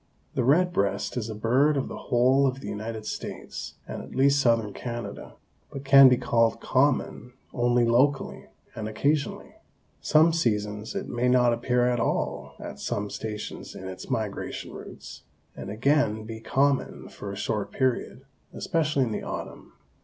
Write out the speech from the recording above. The red breast is a bird of the whole of the United States and at least southern Canada, but can be called common only locally and occasionally. Some seasons it may not appear at all at some stations in its migration routes, and again be common for a short period, especially in the autumn.